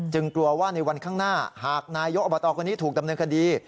กลัวว่าในวันข้างหน้าหากนายกอบตคนนี้ถูกดำเนินคดี